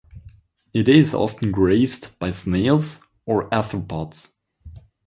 It is often grazed by snails or arthropods.